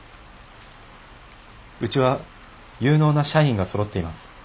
うちは有能な社員がそろっています。